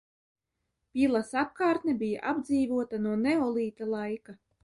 Pilas apkārtne bija apdzīvota no neolīta laika.